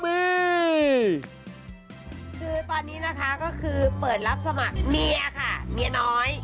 คือตอนนี้นะคะก็คือเปิดรับสมัครเมียค่ะเมียน้อย